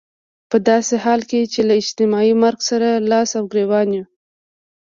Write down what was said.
په داسې حال کې چې له اجتماعي مرګ سره لاس او ګرېوان يو.